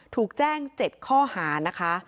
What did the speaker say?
ถูกแจ้ง๗ข้อหานะคะ